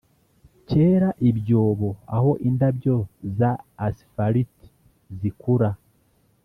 kera ibyobo aho indabyo za asfalt zikura